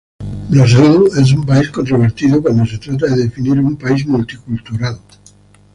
Brasil es un país controvertido cuando se trata de definir un país multicultural.